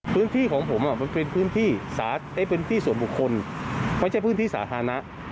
พื้นที่ของผมมันเป็นพื้นที่พื้นที่ส่วนบุคคลไม่ใช่พื้นที่สาธารณะ